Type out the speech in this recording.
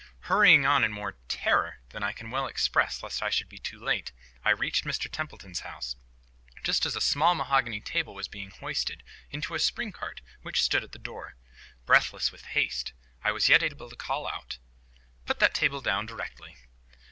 Hurrying on in more terror than I can well express lest I should be too late, I reached Mr Templeton's house just as a small mahogany table was being hoisted into a spring cart which stood at the door. Breathless with haste, I was yet able to call out,— "Put that table down directly."